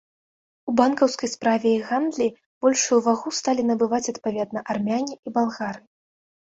У банкаўскай справе і гандлі большую вагу сталі набываць адпаведна армяне і балгары.